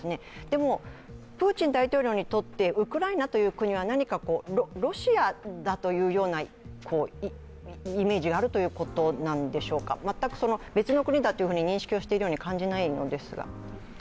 でも、プーチン大統領にとってウクライナという国は何かロシアだというイメージがあるということなんでしょうか、全く別の国だという認識をしているように感じないんですが。